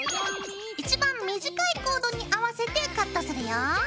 一番短いコードに合わせてカットするよ。